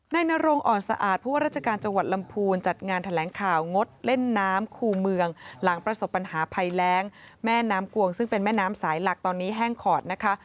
นรงอ่อนสะอาดผู้ว่าราชการจังหวัดลำพูนจัดงานแถลงข่าวงดเล่นน้ำคู่เมืองหลังประสบปัญหาภัยแรงแม่น้ำกวงซึ่งเป็นแม่น้ำสายหลักตอนนี้แห้งขอดนะคะ